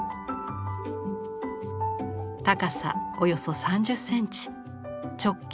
高さおよそ３０センチ直径